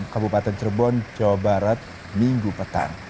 kabupaten cirebon jawa barat minggu petang